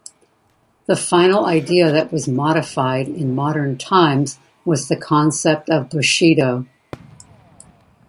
The final idea that was modified in modern times was the concept of Bushido.